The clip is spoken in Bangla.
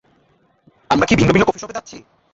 আমরা কি ভিন্ন ভিন্ন কফিশপে যাচ্ছি?